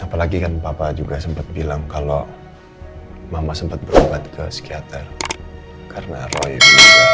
apa lagi kan papa juga sempat bilang kalau mama sempat berubat ke psikiater karena royok